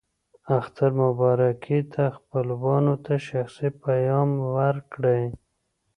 اختر مبارکي ته خپلوانو ته شخصي پیغام ورکړئ.